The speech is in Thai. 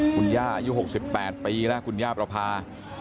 คุณย่าอายุ๖๘ปีแล้วคุณย่าประพา